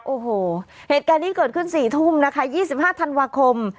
โอ้โหเหตุการณ์นี้เกิดขึ้น๔ทุ่มนะคะ๒๕ธันวาคม